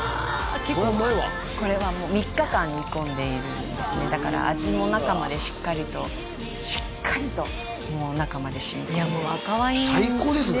これはうまいわこれは３日間煮込んでいるんですねだから味も中までしっかりとしっかりともう中まで染み込んで最高ですね